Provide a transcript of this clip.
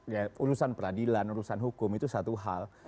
ya urusan peradilan urusan hukum itu satu hal